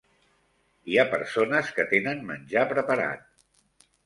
Hi ha persones que tenen menjar preparat.